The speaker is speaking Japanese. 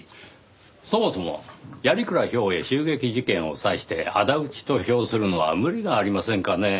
そもそも鑓鞍兵衛襲撃事件を指して仇討ちと表するのは無理がありませんかねぇ。